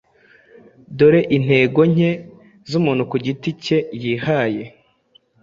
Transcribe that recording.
Dore intego nke zumuntu ku giti cye yihaye